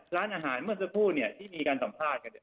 ร้านอาหารเมื่อสักครู่ที่มีการสัมภาษณ์กัน